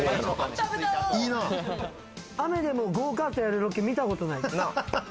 雨でもゴーカートやるロケ見たことない。